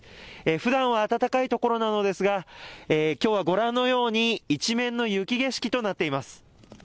ふだんは暖かいところなのですがきょうはご覧のように一面の雪景色となっています。